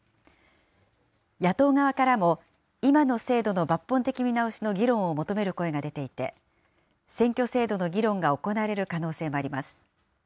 野党側からも、今の制度の抜本的見直しの議論を求める声が出ていて、選挙制度の議論が行われる可能性もあります。